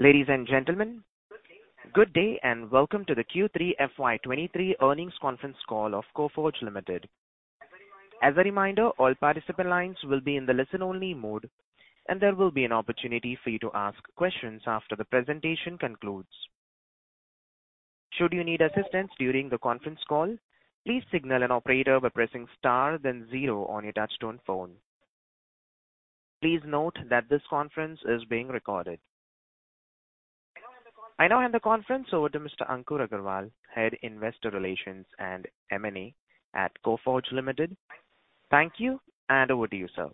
Ladies and gentlemen, good day and welcome to the Q3 FY23 earnings conference call of Coforge Limited. As a reminder, all participant lines will be in the listen-only mode, and there will be an opportunity for you to ask questions after the presentation concludes. Should you need assistance during the conference call, please signal an operator by pressing star then 0 on your touch-tone phone. Please note that this conference is being recorded. I now hand the conference over to Mr. Ankur Agrawal, Head Investor Relations and M&A at Coforge Limited. Thank you, and over to you, sir.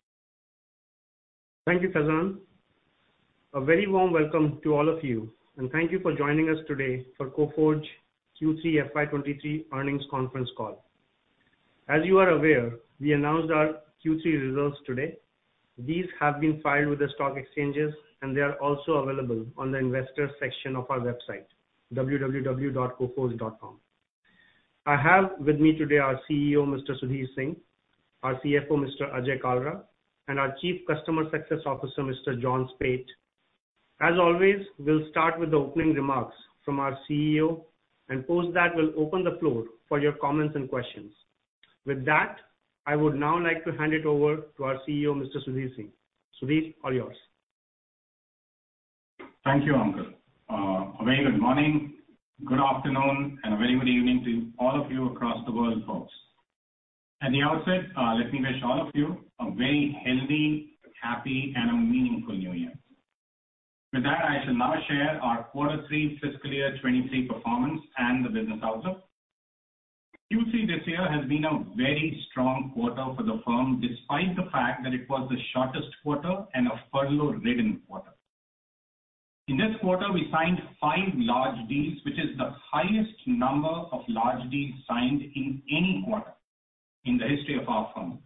Thank you, Faizan. A very warm welcome to all of you, and thank you for joining us today for Coforge Q3 FY 23 earnings conference call. As you are aware, we announced our Q3 results today. These have been filed with the stock exchanges, they are also available on the investor section of our website, www.coforge.com. I have with me today our CEO, Mr. Sudhir Singh, our CFO, Mr. Ajay Kalra, and our Chief Customer Success Officer, Mr. John Speight. As always, we'll start with the opening remarks from our CEO. Post that, we'll open the floor for your comments and questions. With that, I would now like to hand it over to our CEO, Mr. Sudhir Singh. Sudhir, all yours. Thank you, Ankur. A very good morning, good afternoon, and a very good evening to all of you across the world folks. At the outset, let me wish all of you a very healthy, happy, and a meaningful new year. I shall now share our quarter 3 fiscal year 23 performance and the business outlook. Q3 this year has been a very strong quarter for the firm, despite the fact that it was the shortest quarter and a furlough-ridden quarter. In this quarter, we signed five large deals, which is the highest number of large deals signed in any quarter in the history of our firm.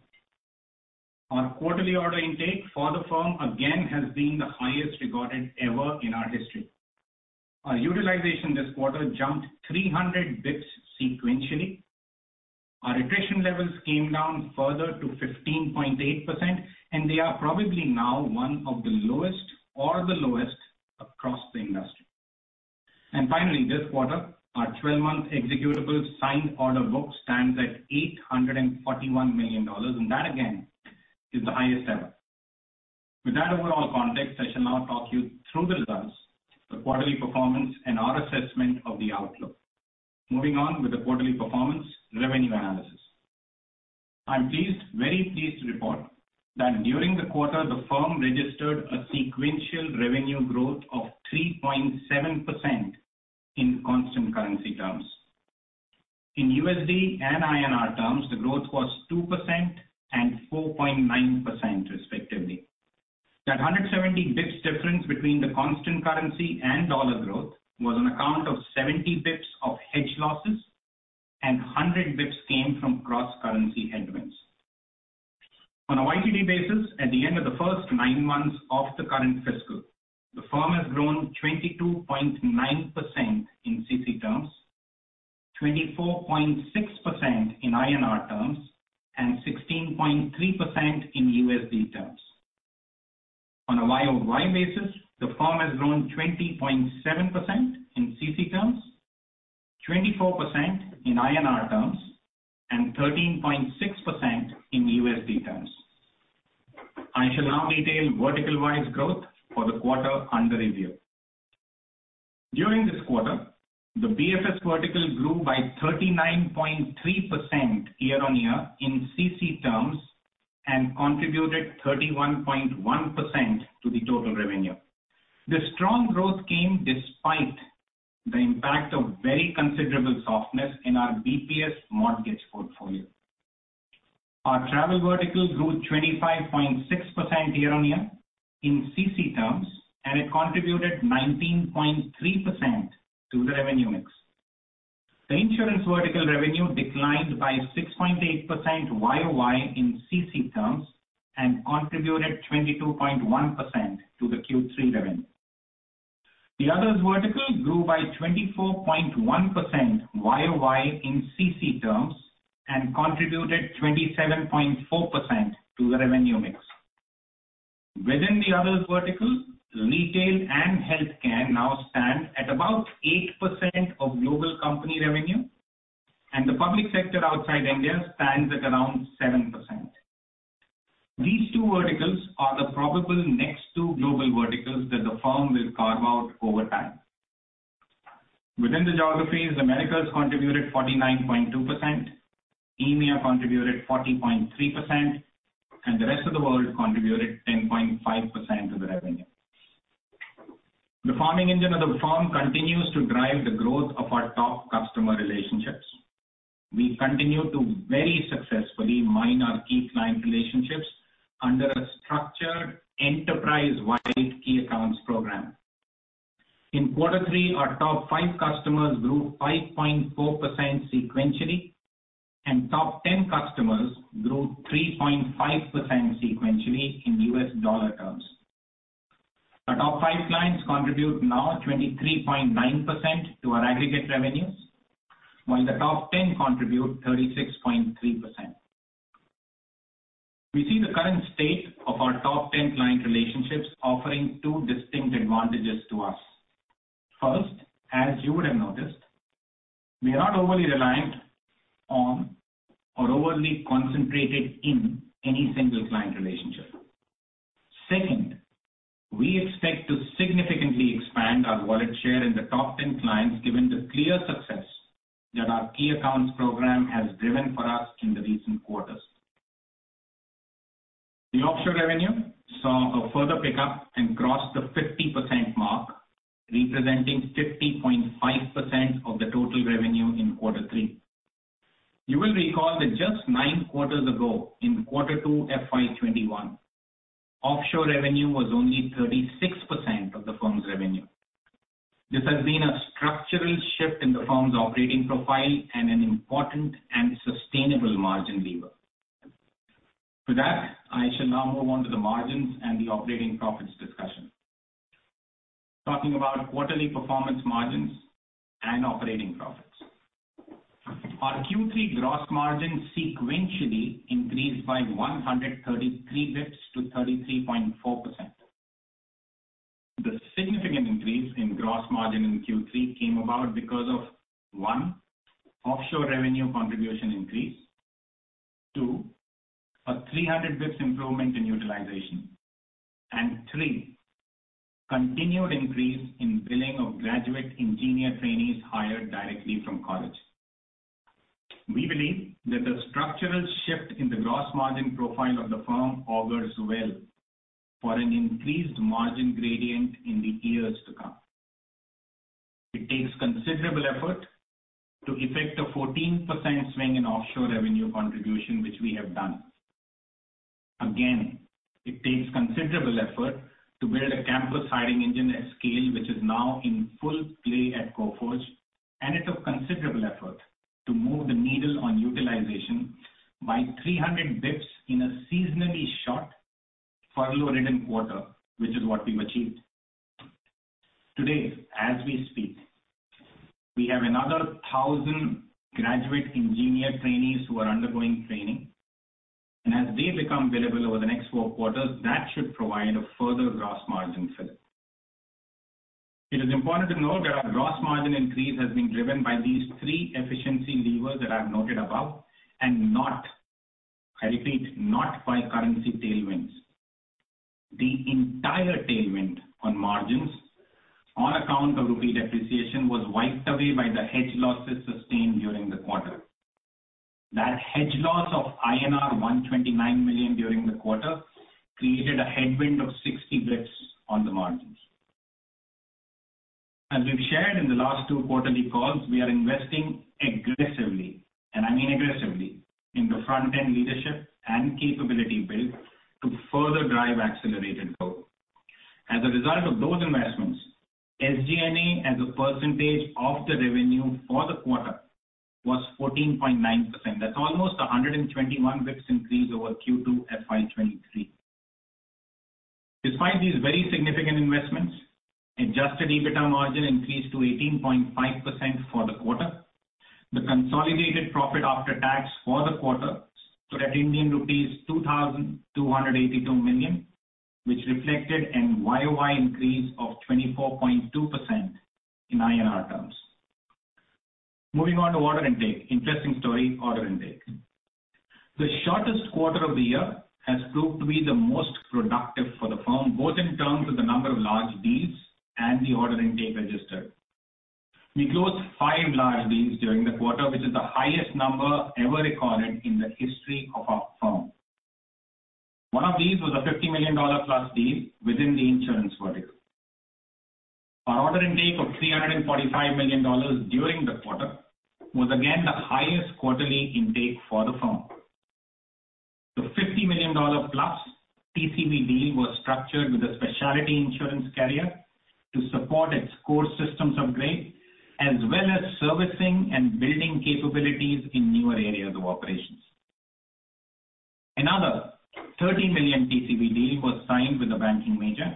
Our quarterly order intake for the firm again has been the highest recorded ever in our history. Our utilization this quarter jumped 300 basis points sequentially. Our attrition levels came down further to 15.8%. They are probably now one of the lowest or the lowest across the industry. Finally, this quarter, our 12-month executable signed order book stands at $841 million. That again is the highest ever. With that overall context, I shall now talk you through the results, the quarterly performance, and our assessment of the outlook. Moving on with the quarterly performance revenue analysis. I'm pleased, very pleased to report that during the quarter, the firm registered a sequential revenue growth of 3.7% in constant currency terms. In USD and INR terms, the growth was 2% and 4.9% respectively. That 170 basis points difference between the constant currency and dollar growth was on account of 70 basis points of hedge losses and 100 basis points came from cross-currency headwinds. On a YTD basis, at the end of the first nine months of the current fiscal, the firm has grown 22.9% in CC terms, 24.6% in INR terms, and 16.3% in USD terms. On a YOY basis, the firm has grown 20.7% in CC terms, 24% in INR terms, and 13.6% in USD terms. I shall now detail vertical-wise growth for the quarter under review. During this quarter, the BFS vertical grew by 39.3% year-over-year in CC terms and contributed 31.1% to the total revenue. The strong growth came despite the impact of very considerable softness in our BPS mortgage portfolio. Our travel vertical grew 25.6% year-on-year in CC terms, and it contributed 19.3% to the revenue mix. The insurance vertical revenue declined by 6.8% YOY in CC terms and contributed 22.1% to the Q3 revenue. The others vertical grew by 24.1% YOY in CC terms and contributed 27.4% to the revenue mix. Within the others vertical, retail and healthcare now stand at about 8% of global company revenue, and the public sector outside India stands at around 7%. These two verticals are the probable next two global verticals that the firm will carve out over time. Within the geographies, Americas contributed 49.2%, EMEA contributed 14.3%, and the rest of the world contributed 10.5% to the revenue. The farming engine of the firm continues to drive the growth of our top customer relationships. We continue to very successfully mine our key client relationships under a structured enterprise-wide key accounts program. In quarter three, our top five customers grew 5.4% sequentially, and top ten customers grew 3.5% sequentially in U.S. dollar terms. Our top five clients contribute now 23.9% to our aggregate revenues, while the top ten contribute 36.3%. We see the current state of our top ten client relationships offering two distinct advantages to us. First, as you would have noticed, we are not overly reliant on or overly concentrated in any single client relationship. We expect to significantly expand our wallet share in the top 10 clients, given the clear success that our key accounts program has driven for us in the recent quarters. Offshore revenue saw a further pickup and crossed the 50% mark, representing 50.5% of the total revenue in Q3. You will recall that just nine quarters ago, in Q2 FY 2021, offshore revenue was only 36% of the firm's revenue. This has been a structural shift in the firm's operating profile and an important and sustainable margin lever. I shall now move on to the margins and the operating profits discussion. Talking about quarterly performance margins and operating profits. Our Q3 gross margin sequentially increased by 133 basis points to 33.4%. The significant increase in gross margin in Q3 came about because of, one, offshore revenue contribution increase. Two, a 300 basis points improvement in utilization. Three, continued increase in billing of Graduate Engineer Trainees hired directly from college. We believe that the structural shift in the gross margin profile of the firm augurs well for an increased margin gradient in the years to come. It takes considerable effort to effect a 14% swing in offshore revenue contribution, which we have done. It takes considerable effort to build a campus hiring engine at scale, which is now in full play at Coforge, and it took considerable effort to move the needle on utilization by 300 basis points in a seasonally short furlough-ridden quarter, which is what we've achieved. Today, as we speak, we have another 1,000 Graduate Engineer Trainees who are undergoing training. As they become available over the next four quarters, that should provide a further gross margin fill. It is important to note that our gross margin increase has been driven by these three efficiency levers that I've noted above, and not, I repeat, not by currency tailwinds. The entire tailwind on margins on account of rupee depreciation was wiped away by the hedge losses sustained during the quarter. That hedge loss of INR 129 million during the quarter created a headwind of 60 basis points on the margins. As we've shared in the last two quarterly calls, we are investing aggressively, and I mean aggressively, in the front end leadership and capability build to further drive accelerated growth. As a result of those investments, SG&A, as a percentage of the revenue for the quarter, was 14.9%. That's almost 121 basis points increase over Q2 FY23. Despite these very significant investments, adjusted EBITDA margin increased to 18.5% for the quarter. The consolidated profit after tax for the quarter stood at Indian rupees 2,282 million, which reflected an YOY increase of 24.2% in INR terms. Moving on to order intake. Interesting story, order intake. The shortest quarter of the year has proved to be the most productive for the firm, both in terms of the number of large deals and the order intake registered. We closed five large deals during the quarter, which is the highest number ever recorded in the history of our firm. One of these was a $50 million+ deal within the insurance vertical. Our order intake of $345 million during the quarter was again the highest quarterly intake for the firm. The $50 million plus TCV was structured with a specialty insurance carrier to support its core systems upgrade, as well as servicing and building capabilities in newer areas of operations. Another $30 million TCV was signed with a banking major.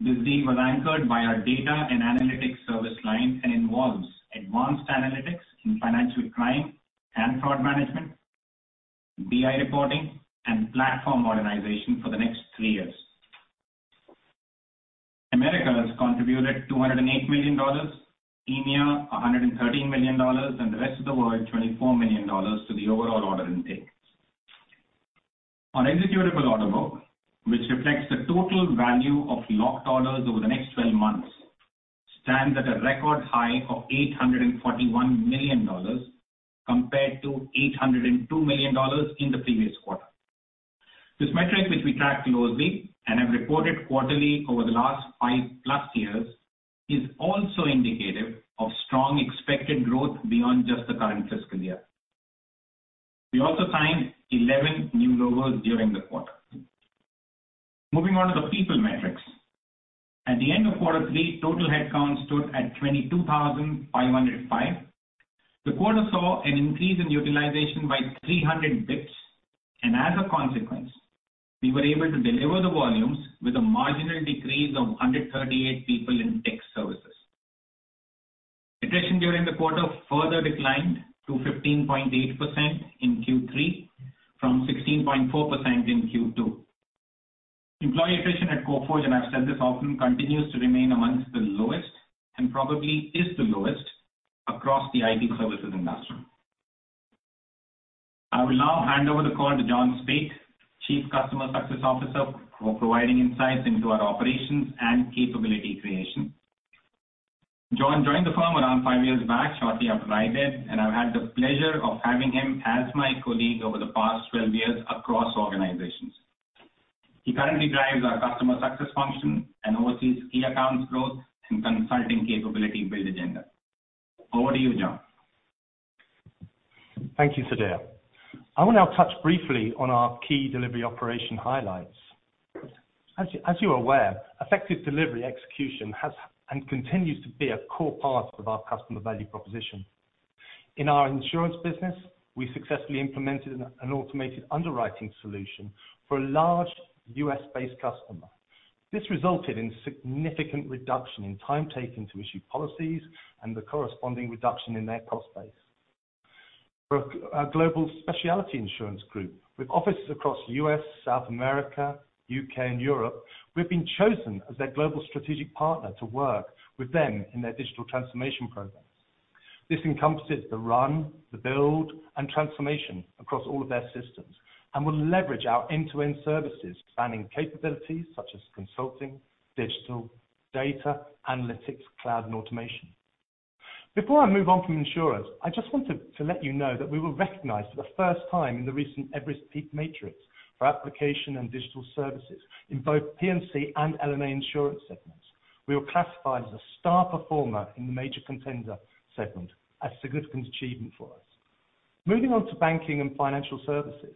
This deal was anchored by our Data and Analytics service line and involves advanced analytics in financial crime and fraud management, BI reporting, and platform modernization for the next three years. Americas contributed $208 million, EMEA $113 million, and the rest of the world $24 million to the overall order intake. Our executable order book, which reflects the total value of locked orders over the next 12 months, stands at a record high of $841 million compared to $802 million in the previous quarter. This metric, which we track closely and have reported quarterly over the last 5+ years, is also indicative of strong expected growth beyond just the current fiscal year. We also signed 11 new logos during the quarter. Moving on to the people metrics. At the end of quarter three, total headcount stood at 22,505. The quarter saw an increase in utilization by 300 basis points, as a consequence, we were able to deliver the volumes with a marginal decrease of 138 people in tech services. attrition during the quarter further declined to 15.8% in Q3 from 16.4% in Q2. Employee attrition at Coforge, and I've said this often, continues to remain amongst the lowest and probably is the lowest across the IT services industry. I will now hand over the call to John Speight, Chief Customer Success Officer, for providing insights into our operations and capability creation. John joined the firm around five years back, shortly after I did, and I've had the pleasure of having him as my colleague over the past 12 years across organizations. He currently drives our customer success function and oversees key accounts growth and consulting capability build agenda. Over to you, John. Thank you, Sudhir. I will now touch briefly on our key delivery operation highlights. As you are aware, effective delivery execution has and continues to be a core part of our customer value proposition. In our insurance business, we successfully implemented an automated underwriting solution for a large U.S.-based customer. This resulted in significant reduction in time taken to issue policies and the corresponding reduction in their cost base. For a global specialty insurance group with offices across the U.S., South America, U.K., and Europe, we've been chosen as their global strategic partner to work with them in their digital transformation programs. This encompasses the run, the build, and transformation across all of their systems and will leverage our end-to-end services spanning capabilities such as consulting, digital, data, analytics, cloud, and automation. Before I move on from insurance, I just wanted to let you know that we were recognized for the first time in the recent Everest Group PEAK Matrix for application and digital services in both P&C and L&A insurance segments. We were classified as a star performer in the major contender segment, a significant achievement for us. Moving on to banking and financial services.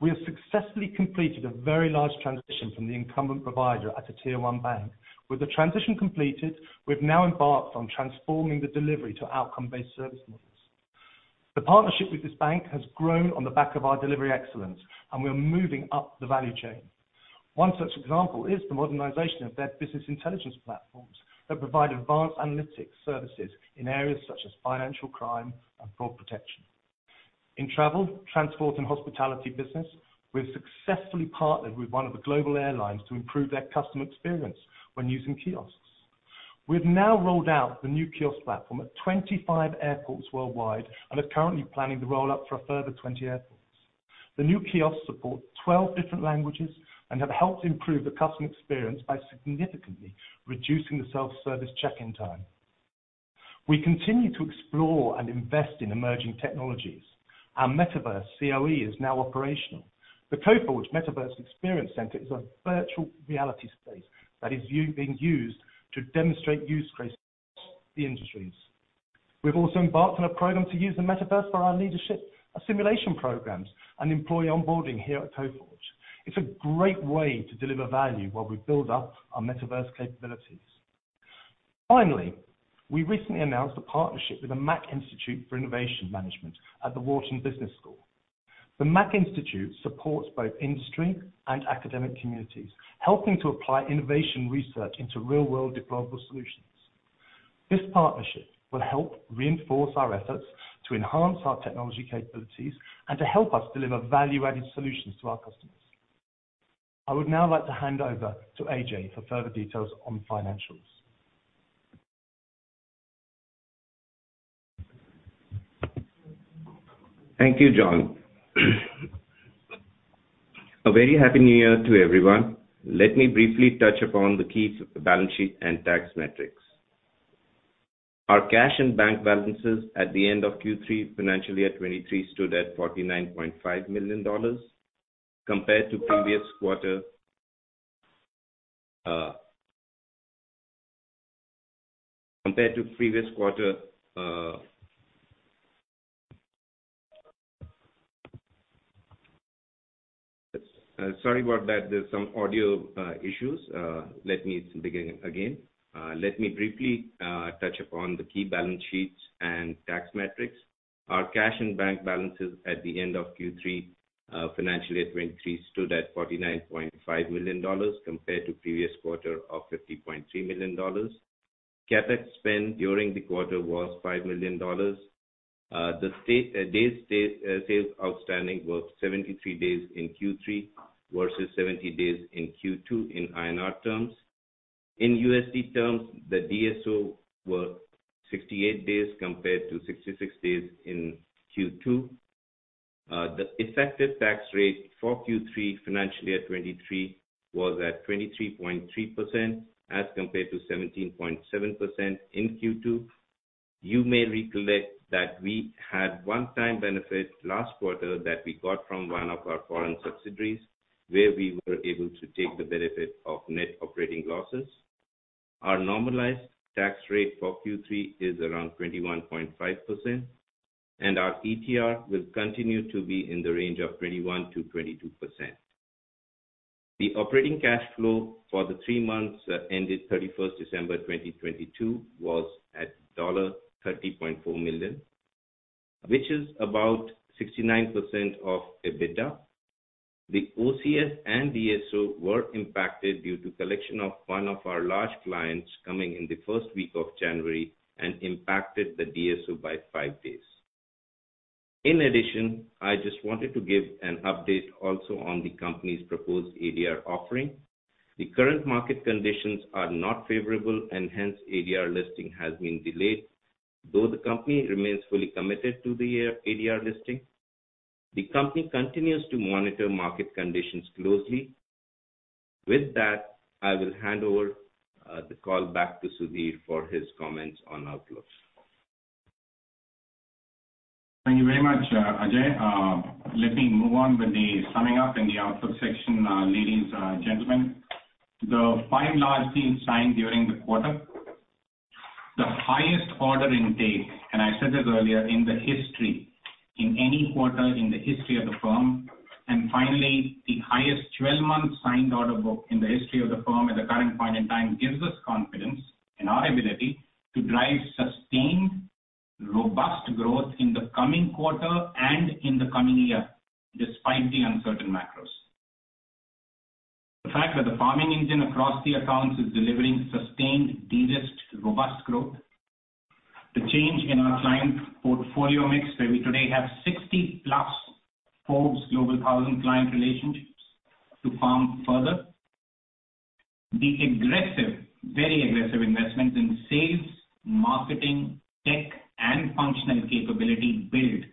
We have successfully completed a very large transition from the incumbent provider at a tier one bank. With the transition completed, we've now embarked on transforming the delivery to outcome-based service models. The partnership with this bank has grown on the back of our delivery excellence, and we are moving up the value chain. One such example is the modernization of their business intelligence platforms that provide advanced analytics services in areas such as financial crime and fraud protection. In travel, transport, and hospitality business, we've successfully partnered with one of the global airlines to improve their customer experience when using kiosks. We've now rolled out the new kiosk platform at 25 airports worldwide and are currently planning the rollout for a further 20 airports. The new kiosks support 12 different languages and have helped improve the customer experience by significantly reducing the self-service check-in time. We continue to explore and invest in emerging technologies. Our Metaverse COE is now operational. The Coforge Metaverse Experience Center is a virtual reality space that is being used to demonstrate use cases across the industries. We've also embarked on a program to use the Metaverse for our leadership assimilation programs and employee onboarding here at Coforge. It's a great way to deliver value while we build up our Metaverse capabilities. We recently announced a partnership with the Mack Institute for Innovation Management at The Wharton Business School. The Mack Institute supports both industry and academic communities, helping to apply innovation research into real-world deployable solutions. This partnership will help reinforce our efforts to enhance our technology capabilities and to help us deliver value-added solutions to our customers. I would now like to hand over to Ajay for further details on financials. Thank you, John. A very happy new year to everyone. Sorry about that. There's some audio issues. Let me begin again. Let me briefly touch upon the key balance sheets and tax metrics. Our cash and bank balances at the end of Q3 financial year 2023 stood at $49.5 million compared to previous quarter of $50.3 million. CapEx spend during the quarter was $5 million. The days outstanding were 73 days in Q3 versus 70 days in Q2 in INR terms. In USD terms, the DSO were 68 days compared to 66 days in Q2. The effective tax rate for Q3 financial year 2023 was at 23.3% as compared to 17.7% in Q2. You may recollect that we had one-time benefit last quarter that we got from one of our foreign subsidiaries, where we were able to take the benefit of net operating losses. Our normalized tax rate for Q3 is around 21.5%, and our ETR will continue to be in the range of 21%-22%. The Operating Cash Flow for the 3 months that ended 31st December 2022 was at $30.4 million, which is about 69% of EBITDA. The OCS and DSO were impacted due to collection of one of our large clients coming in the first week of January and impacted the DSO by 5 days. In addition, I just wanted to give an update also on the company's proposed ADR offering. The current market conditions are not favorable and hence ADR listing has been delayed, though the company remains fully committed to the ADR listing. The company continues to monitor market conditions closely. With that, I will hand over the call back to Sudhir for his comments on outlook. Thank you very much, Ajay. Let me move on with the summing up in the outlook section, ladies and gentlemen. The five large deals signed during the quarter, the highest order intake, and I said this earlier, in the history, in any quarter in the history of the firm. Finally, the highest 12-month signed order book in the history of the firm at the current point in time gives us confidence in our ability to drive sustained, robust growth in the coming quarter and in the coming year despite the uncertain macros. The fact that the farming engine across the accounts is delivering sustained, de-risked, robust growth. The change in our client portfolio mix, where we today have 60-plus Forbes Global thousand client relationships to farm further. The aggressive, very aggressive investments in sales, marketing, tech, and functional capability build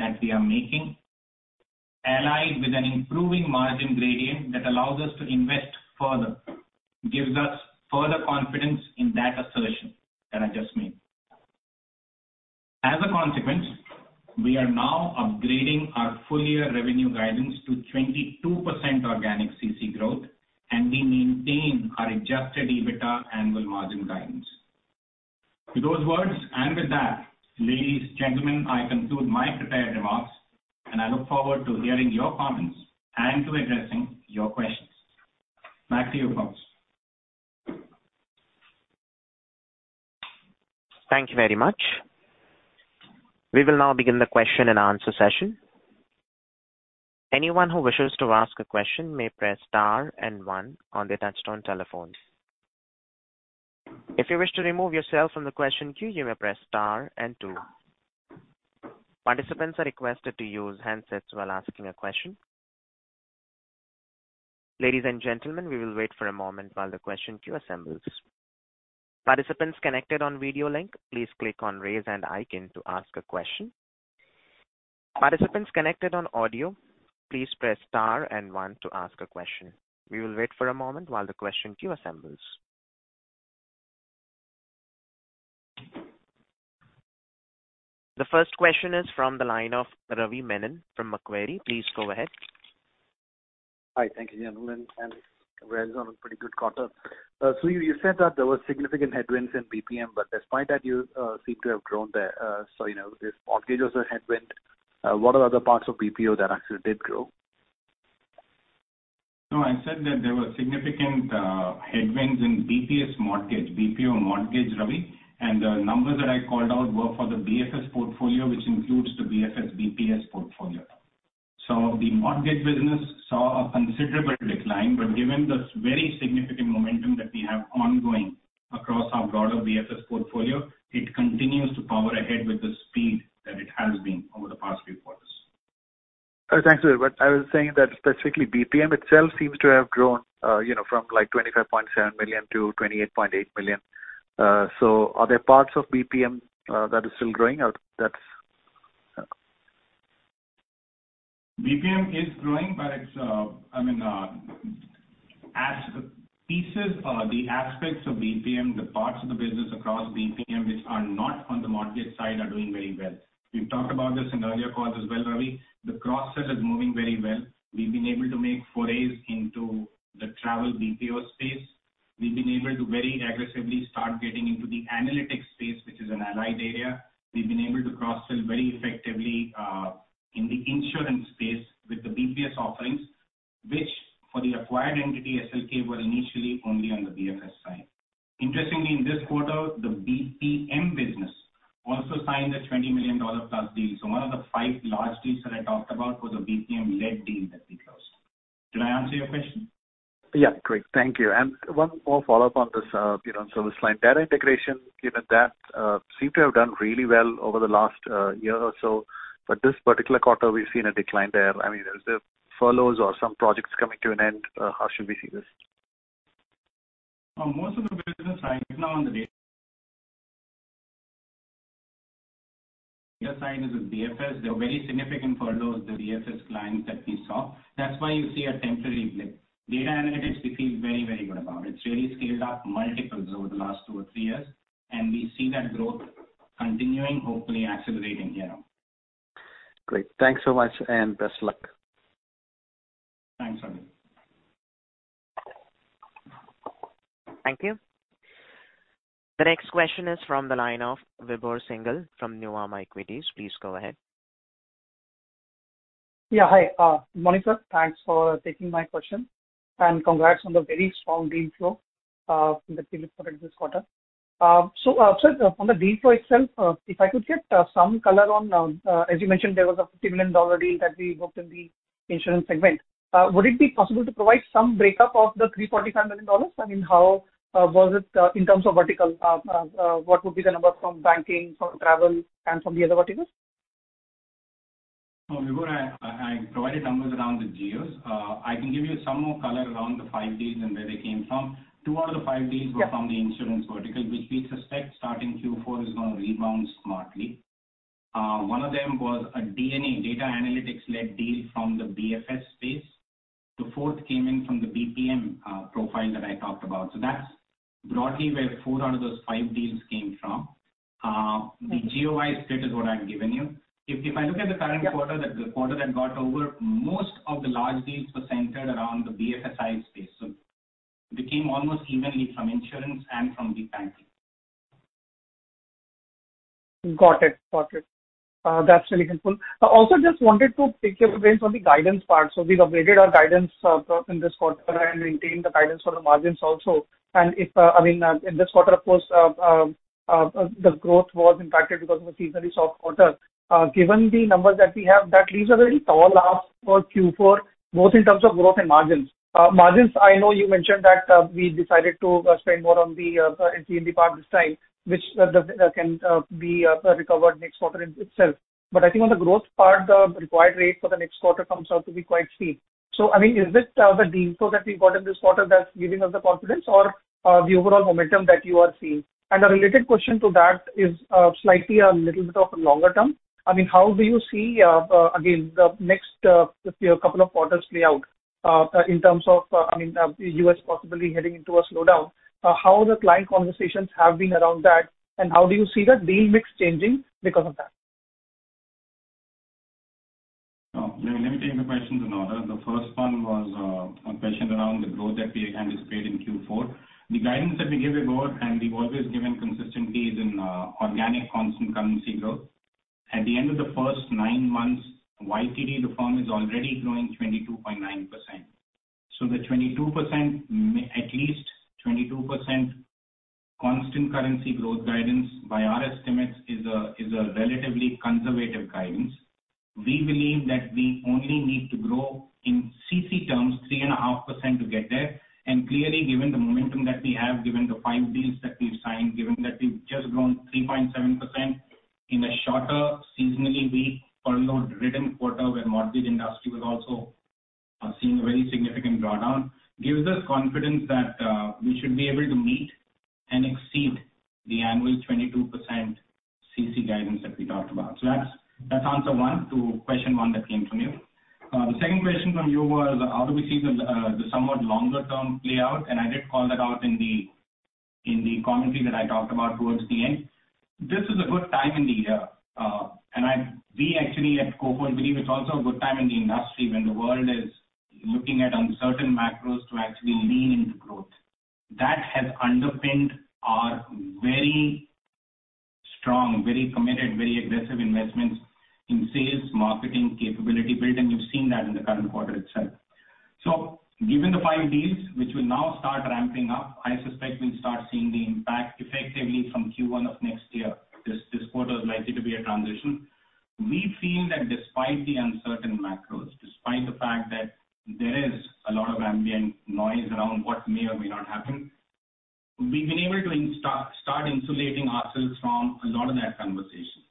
that we are making, allied with an improving margin gradient that allows us to invest further, gives us further confidence in that assertion that I just made. As a consequence, we are now upgrading our full-year revenue guidance to 22% organic CC growth, and we maintain our adjusted EBITDA annual margin guidance. With those words, and with that, ladies, gentlemen, I conclude my prepared remarks, and I look forward to hearing your comments and to addressing your questions. Back to you, folks. Thank you very much. We will now begin the question and answer session. Anyone who wishes to ask a question may press star and one on their touch-tone telephones. If you wish to remove yourself from the question queue, you may press star and two. Participants are requested to use handsets while asking a question. Ladies and gentlemen, we will wait for a moment while the question queue assembles. Participants connected on video link, please click on Raise Hand icon to ask a question. Participants connected on audio, please press star and one to ask a question. We will wait for a moment while the question queue assembles. The first question is from the line of Ravi Menon from Macquarie. Please go ahead. Hi. Thank you, gentlemen, congrats on a pretty good quarter. You said that there were significant headwinds in BPM, despite that, you seem to have grown there. You know, if mortgage was a headwind, what are other parts of BPO that actually did grow? No, I said that there were significant headwinds in BPS mortgage, BPO mortgage, Ravi, and the numbers that I called out were for the BFS portfolio, which includes the BFS BPS portfolio. The mortgage business saw a considerable decline, but given this very significant momentum that we have ongoing across our broader BFS portfolio, it continues to power ahead with the speed that it has been over the past few quarters. Thanks, Sudhir. I was saying that specifically BPM itself seems to have grown, you know, from like 25.7 million to 28.8 million. Are there parts of BPM that is still growing or that's... BPM is growing, but it's, I mean, as pieces or the aspects of BPM, the parts of the business across BPM which are not on the market side are doing very well. We've talked about this in earlier calls as well, Ravi. The cross-sell is moving very well. We've been able to make forays into the travel BPO space. We've been able to very aggressively start getting into the analytics space, which is an allied area. We've been able to cross-sell very effectively in the insurance space with the BPS offerings, which for the acquired entity, SLK, were initially only on the BFS side. Interestingly, in this quarter, the BPM business also signed a $20 million-plus deal. One of the five large deals that I talked about was a BPM-led deal that we closed. Did I answer your question? Yeah, great. Thank you. One more follow-up on this, you know, service line. Data integration, given that, seem to have done really well over the last year or so, but this particular quarter we've seen a decline there. I mean, is there furloughs or some projects coming to an end? How should we see this? Most of the business right now on the data side is with BFS. There are very significant furloughs, the BFS clients that we saw. That's why you see a temporary blip. Data Analytics, we feel very, very good about. It's really scaled up multiples over the last two or three years, and we see that growth continuing, hopefully accelerating here. Great. Thanks so much, and best luck. Thanks, Ravi. Thank you. The next question is from the line of Vibhor Singhal from Nuvama Equities. Please go ahead. Hi. Good morning, sir. Thanks for taking my question, and congrats on the very strong deal flow that you reported this quarter. Sir, on the deal flow itself, if I could get some color on, as you mentioned, there was a $50 million deal that we booked in the insurance segment. Would it be possible to provide some breakup of the $345 million? I mean, how was it in terms of vertical? What would be the number from banking, from travel and from the other verticals? No. Before I provided numbers around the geos. I can give you some more color around the five deals and where they came from. Two out of the five deals. Yeah. -were from the insurance vertical, which we suspect starting Q4 is gonna rebound smartly. One of them was a DNA Data and Analytics-led deal from the BFS space. The fourth came in from the BPM profile that I talked about. That's broadly where four out of those five deals came from. The geo-wise split is what I've given you. If I look at the current quarter- Yeah. The quarter that got over, most of the large deals were centered around the BFSI space, so it became almost evenly from insurance and from big banking. Got it. Got it. That's really helpful. I also just wanted to take your brains on the guidance part. We've upgraded our guidance in this quarter and maintained the guidance for the margins also. If, I mean, in this quarter, of course, the growth was impacted because of a seasonally soft quarter. Given the numbers that we have, that leaves a very tall ask for Q4, both in terms of growth and margins. Margins, I know you mentioned that we decided to spend more on the NTB part this time, which does, can be recovered next quarter in itself. I think on the growth part, the required rate for the next quarter comes out to be quite steep. I mean, is this the deal flow that we got in this quarter that's giving us the confidence or the overall momentum that you are seeing? A related question to that is slightly a little bit of a longer term. I mean, how do you see again, the next few couple of quarters play out in terms of, I mean, U.S. possibly heading into a slowdown, how the client conversations have been around that and how do you see the deal mix changing because of that? Let me take the questions in order. The first one was a question around the growth that we anticipate in Q4. The guidance that we give you over, and we've always given consistently is in organic constant currency growth. At the end of the first nine months, YTD Coforge is already growing 22.9%. The 22%, at least 22% constant currency growth guidance by our estimates is a relatively conservative guidance. We believe that we only need to grow in CC terms 3.5% to get there. Clearly, given the momentum that we have, given the five deals that we've signed, given that we've just grown 3.7% in a shorter seasonally weak follow load ridden quarter where mortgage industry was also seeing a very significant drawdown, gives us confidence that we should be able to meet and exceed the annual 22% CC guidance that we talked about. That's answer one to question one that came from you. The second question from you was, how do we see the somewhat longer term play out? I did call that out in the commentary that I talked about towards the end. This is a good time in the year. and we actually at Coforge believe it's also a good time in the industry when the world is looking at uncertain macros to actually lean into growth. That has underpinned our very strong, very committed, very aggressive investments in sales, marketing, capability build, and you've seen that in the current quarter itself. Given the five deals which will now start ramping up, I suspect we'll start seeing the impact effectively from Q1 of next year. This quarter is likely to be a transition. We feel that despite the uncertain macros, despite the fact that there is a lot of ambient noise around what may or may not happen, we've been able to start insulating ourselves from a lot of that conversation.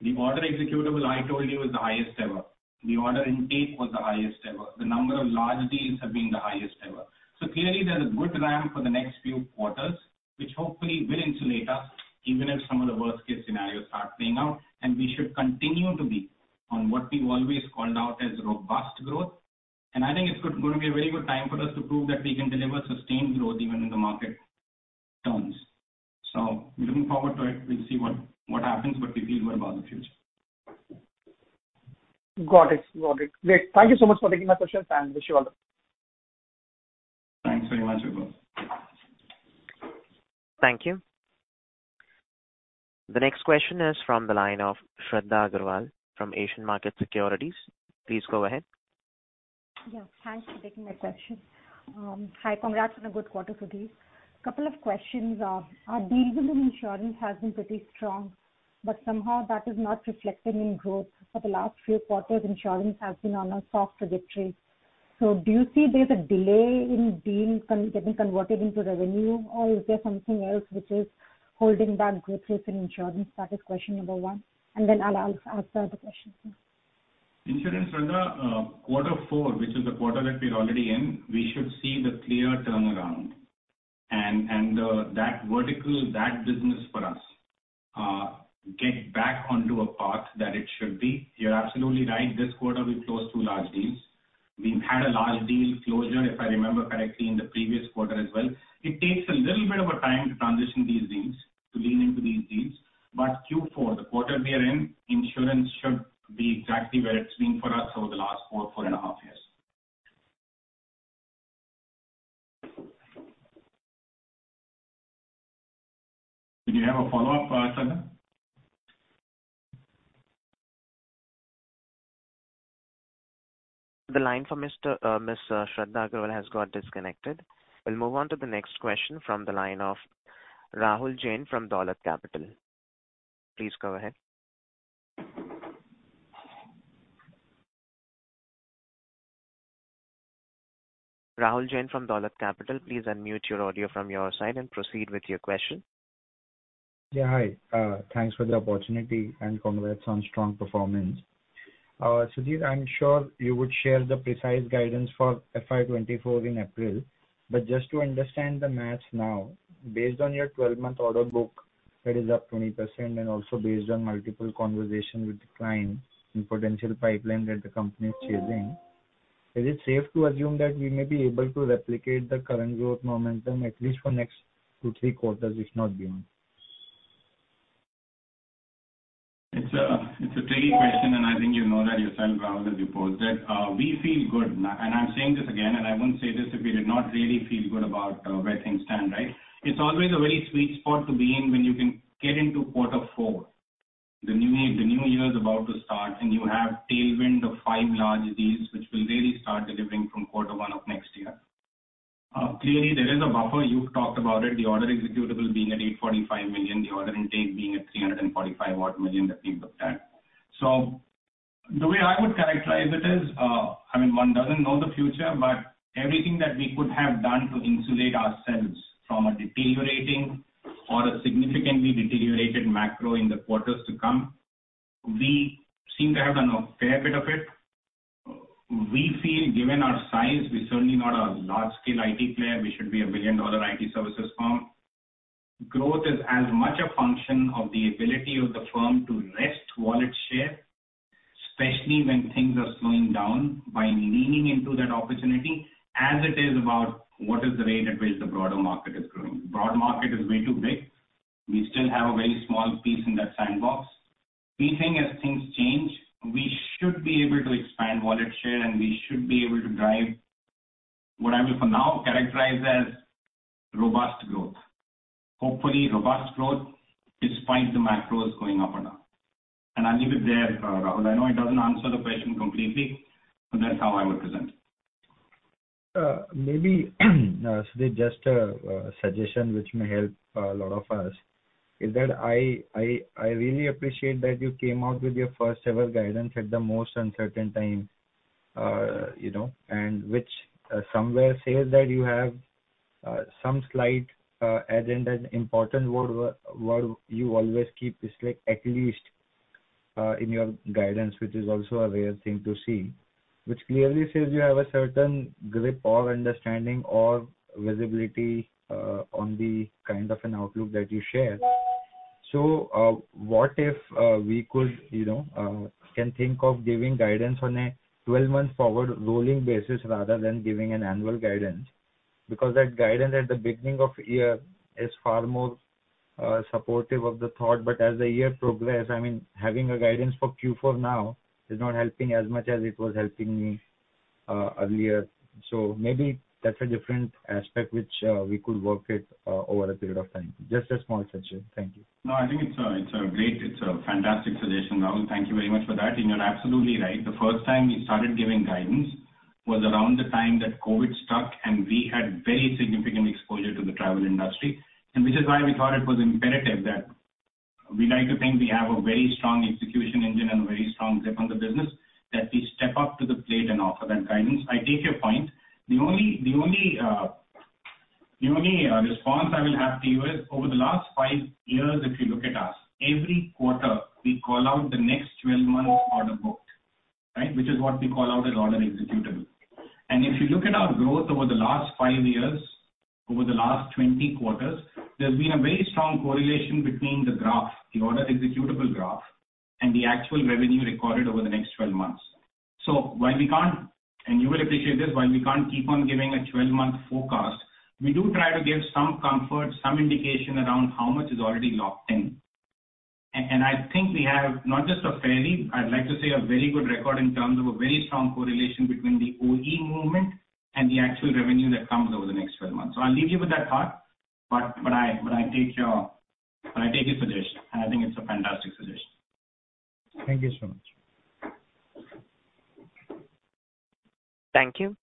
The order executable, I told you, is the highest ever. The order intake was the highest ever. The number of large deals have been the highest ever. Clearly there's a good ramp for the next few quarters which hopefully will insulate us even if some of the worst-case scenarios start playing out. We should continue to be on what we've always called out as robust growth. I think it's gonna be a very good time for us to prove that we can deliver sustained growth even when the market turns. Looking forward to it. We'll see what happens, but we feel good about the future. Got it. Great. Thank you so much for taking my questions, and wish you well. Thanks very much, Sudhir Singh. Thank you. The next question is from the line of Shradha Agrawal from Asian Markets Securities. Please go ahead. Thanks for taking my question. Hi. Congrats on a good quarter, Sudhir. Couple of questions. Our deals in insurance have been pretty strong, but somehow that is not reflected in growth. For the last few quarters, insurance has been on a soft trajectory. Do you see there's a delay in deals getting converted into revenue or is there something else which is holding back growth rates in insurance? That is question number one. I'll ask the other question. Insurance, Shradha, quarter four, which is the quarter that we're already in, we should see the clear turnaround and that vertical, that business for us, get back onto a path that it should be. You're absolutely right. This quarter we closed 2 large deals. We've had a large deal closure, if I remember correctly, in the previous quarter as well. It takes a little bit of a time to transition these deals, to lean into these deals, but Q four, the quarter we are in, insurance should be exactly where it's been for us over the last 4 and a half years. Do you have a follow-up, Shradha Agrawal? The line for Miss Shradha Agrawal has got disconnected. We'll move on to the next question from the line of Rahul Jain from Dolat Capital. Please go ahead. Rahul Jain from Dolat Capital, please unmute your audio from your side and proceed with your question. Yeah, hi. Thanks for the opportunity and congrats on strong performance. Sudhir, I'm sure you would share the precise guidance for FY 2024 in April. Just to understand the math now, based on your 12-month order book that is up 20% and also based on multiple conversations with clients and potential pipeline that the company is chasing, is it safe to assume that we may be able to replicate the current growth momentum at least for next two, three quarters, if not beyond? It's a tricky question, and I think you know that yourself, Rahul, before. We feel good. I'm saying this again, and I wouldn't say this if we did not really feel good about where things stand, right? It's always a very sweet spot to be in when you can get into quarter four. The new year is about to start, you have tailwind of 5 large deals which will really start delivering from quarter one of next year. Clearly there is a buffer. You've talked about it, the order executable being at 845 million, the order intake being at 345 odd million that we've looked at. The way I would characterize it is, I mean, one doesn't know the future, but everything that we could have done to insulate ourselves from a deteriorating or a significantly deteriorated macro in the quarters to come, we seem to have done a fair bit of it. We feel given our size, we're certainly not a large scale IT player. We should be a billion-dollar IT services firm. Growth is as much a function of the ability of the firm to rest wallet share, especially when things are slowing down, by leaning into that opportunity as it is about what is the rate at which the broader market is growing. Broad market is way too big. We still have a very small piece in that sandbox. We think as things change, we should be able to expand wallet share, and we should be able to drive what I will for now characterize as robust growth. Hopefully robust growth despite the macros going up or down. I'll leave it there, Rahul. I know it doesn't answer the question completely, but that's how I would present. Maybe Sudhir, just a suggestion which may help a lot of us is that I really appreciate that you came out with your first ever guidance at the most uncertain time, you know, and which somewhere says that you have some slight, and an important word you always keep is like at least in your guidance, which is also a rare thing to see. Clearly says you have a certain grip or understanding or visibility on the kind of an outlook that you share. What if we could, you know, can think of giving guidance on a 12-month forward rolling basis rather than giving an annual guidance? Because that guidance at the beginning of year is far more, supportive of the thought, but as the year progress, I mean, having a guidance for Q4 now is not helping as much as it was helping me, earlier. Maybe that's a different aspect which we could work it over a period of time. Just a small suggestion. Thank you. No, I think it's a great, it's a fantastic suggestion, Rahul. Thank you very much for that, and you're absolutely right. The first time we started giving guidance was around the time that COVID struck, and we had very significant exposure to the travel industry. Which is why we thought it was imperative that we like to think we have a very strong execution engine and a very strong grip on the business, that we step up to the plate and offer that guidance. I take your point. The only response I will have to you is over the last five years, if you look at us, every quarter we call out the next 12 months order booked, right? Which is what we call out as order executable. If you look at our growth over the last five years, over the last 20 quarters, there's been a very strong correlation between the graph, the order executable graph, and the actual revenue recorded over the next 12 months. While we can't, and you will appreciate this, while we can't keep on giving a 12-month forecast, we do try to give some comfort, some indication around how much is already locked in. I think we have not just a fairly, I'd like to say a very good record in terms of a very strong correlation between the OE movement and the actual revenue that comes over the next 12 months. I'll leave you with that thought, I take your suggestion, and I think it's a fantastic suggestion. Thank you so much. Thank you.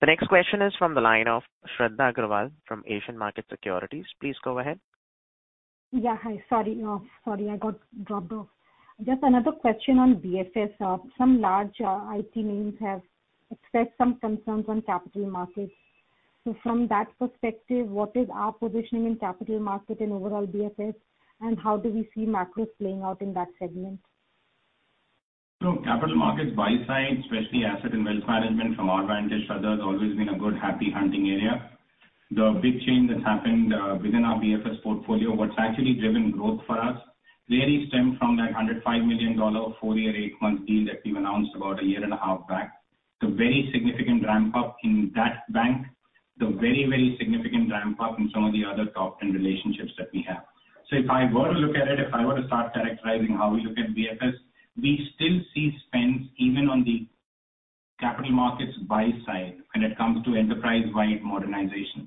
The next question is from the line of Shraddha Agarwal from Asian Markets Securities. Please go ahead. Yeah. Hi. Sorry. Sorry, I got dropped off. Just another question on BFS. Some large IT names have expressed some concerns on capital markets. From that perspective, what is our positioning in capital market and overall BFS, and how do we see macros playing out in that segment? Capital markets buy side, especially asset and wealth management from our vantage, Shradha, has always been a good happy hunting area. The big change that's happened within our BFS portfolio, what's actually driven growth for us really stemmed from that $105 million 4-year 8-month deal that we've announced about a year and a half back. The very significant ramp up in that bank. The very significant ramp up in some of the other top 10 relationships that we have. If I were to look at it, if I were to start characterizing how we look at BFS, we still see spends even on the Capital markets buy side when it comes to enterprise-wide modernization.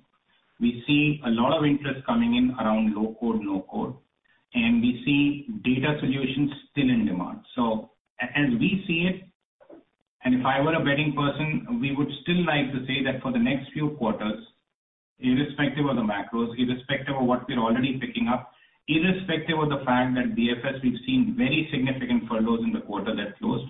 We see a lot of interest coming in around low code, no code, and we see data solutions still in demand. As we see it, and if I were a betting person, we would still like to say that for the next few quarters, irrespective of the macros, irrespective of what we're already picking up, irrespective of the fact that BFS we've seen very significant furloughs in the quarter that closed.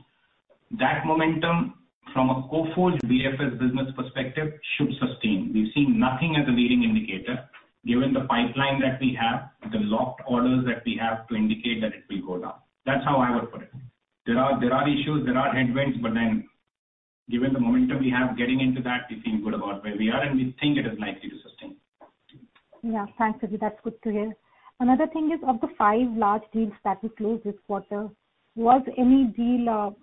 That momentum from a Coforge BFS business perspective should sustain. We've seen nothing as a leading indicator, given the pipeline that we have, the locked orders that we have to indicate that it will go down. That's how I would put it. There are issues, there are headwinds, given the momentum we have getting into that, we feel good about where we are and we think it is likely to sustain. Yeah. Thanks, Sudhir. That's good to hear. Another thing is, of the five large deals that we closed this quarter, was any deal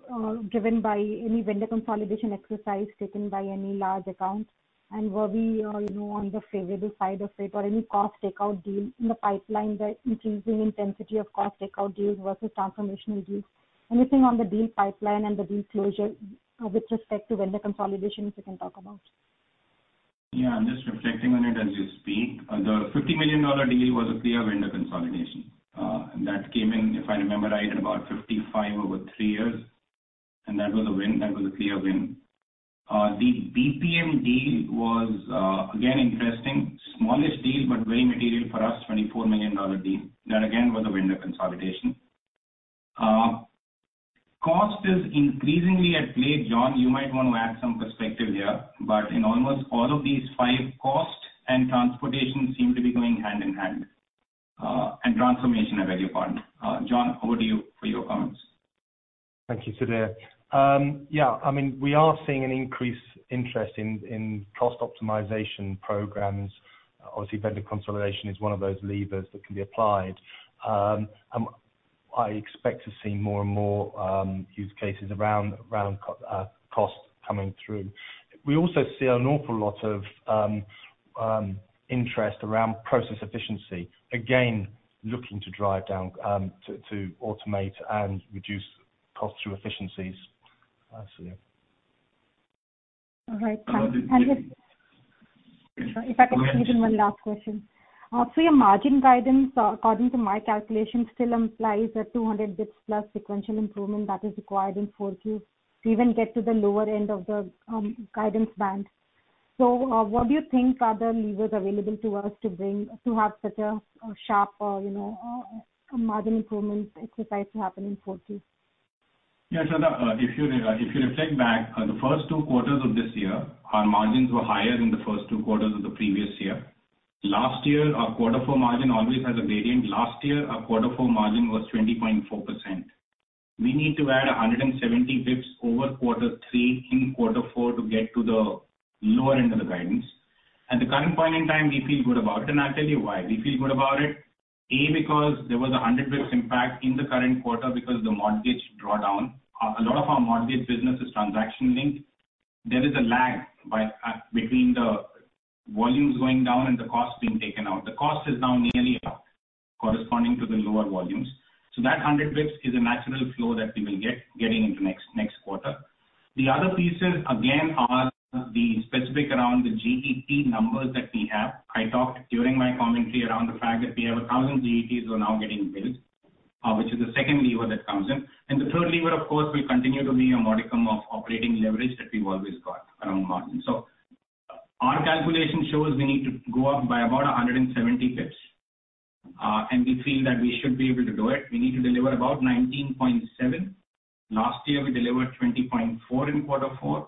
driven by any vendor consolidation exercise taken by any large account? Were we, you know, on the favorable side of it, or any cost takeout deal in the pipeline that increasing intensity of cost takeout deals versus transformational deals? Anything on the deal pipeline and the deal closure with respect to vendor consolidations you can talk about? Yeah. I'm just reflecting on it as you speak. The $50 million deal was a clear vendor consolidation. That came in, if I remember right, at about 55 over 3 years, and that was a win. That was a clear win. The BPM deal was again, interesting. Smallish deal, but very material for us, $24 million deal. That again, was a vendor consolidation. Cost is increasingly at play. John, you might want to add some perspective here. In almost all of these five costs, and transportation seem to be going hand in hand. Transformation, I beg your pardon. John, over to you for your comments. Thank you, Sudhir. Yeah, I mean, we are seeing an increased interest in cost optimization programs. Obviously, vendor consolidation is one of those levers that can be applied. I expect to see more and more use cases around costs coming through. We also see an awful lot of interest around process efficiency. Again, looking to drive down to automate and reduce costs through efficiencies. Sudhir. All right. Thank you. Um, if- If I can squeeze in one last question. Your margin guidance, according to my calculation, still implies a 200 basis points plus sequential improvement that is required in Q4 to even get to the lower end of the guidance band. What do you think are the levers available to us to have such a sharp, you know, margin improvement exercise to happen in Q4? Yeah. If you reflect back, the first two quarters of this year, our margins were higher than the first two quarters of the previous year. Last year, our quarter four margin always has a gradient. Last year, our quarter four margin was 20.4%. We need to add 170 bits over quarter three in quarter four to get to the lower end of the guidance. At the current point in time, we feel good about it, and I'll tell you why. We feel good about it, A, because there was 100 bits impact in the current quarter because the mortgage drawdown. A lot of our mortgage business is transaction linked. There is a lag by between the volumes going down and the costs being taken out. The cost is now nearly corresponding to the lower volumes. That 100 bits is a natural flow that we will get getting into next quarter. The other pieces, again, are the specific around the GET numbers that we have. I talked during my commentary around the fact that we have 1,000 GETs who are now getting billed, which is the second lever that comes in. The third lever, of course, will continue to be a modicum of operating leverage that we've always got around margin. Our calculation shows we need to go up by about 170 bits. We feel that we should be able to do it. We need to deliver about 19.7%. Last year, we delivered 20.4% in quarter four.